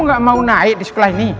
nggak mau naik di sekolah ini